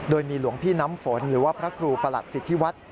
โดยมีหลวงพี่น้ำฝนหรือว่าพระครูประหลัดสิทธิวัฒน์